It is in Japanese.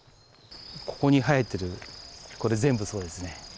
ここに生えてるこれ、全部そうですね。